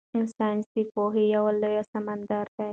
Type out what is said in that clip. ساینس د پوهې یو لوی سمندر دی.